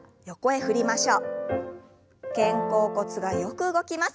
肩甲骨がよく動きます。